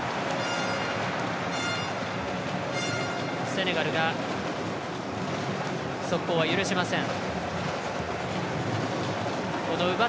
セネガルが速攻は許しません。